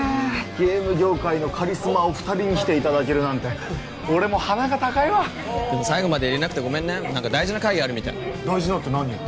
ゲーム業界のカリスマお二人に来ていただけるなんて俺も鼻が高いわでも最後までいれなくてごめんね何か大事な会議あるみたい大事なって何よ？